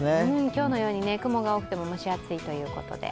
今日のように雲が出ていても蒸し暑いということで。